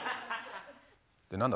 何だ？